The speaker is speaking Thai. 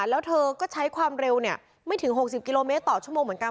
แล้วเธอก็ใช้ความเร็วไม่ถึง๖๐กิโลเมตรต่อชั่วโมงเหมือนกัน